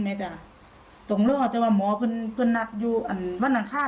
ไหมจ๊ะตรงเรื่องของจ้ะว่าหมอเพิ่งนับอยู่อันวันอันข้าว